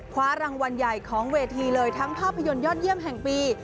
คว้ารางวัลใหญ่ของเวทีเลยทั้งภาพยนตร์ยอดเยี่ยมแห่งปี